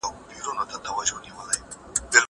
هغه وویل چې اوبه مهمي دي!!